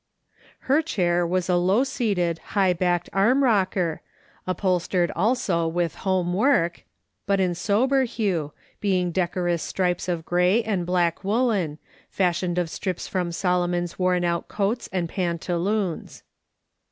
Her chair was a low seated, high backed arm rocker, upholstered also with home work, but in sobei hue, being decorous stripes of grey and black woollen, fashioned of strips from Solomon's w^orn out coats and pantaloons.